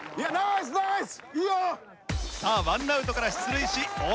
さあワンアウトから出塁し大久保。